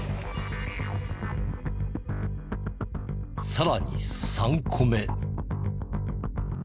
さらに３個目。